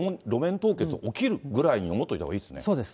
凍結起きるぐらいに思っといたほうがいそうです。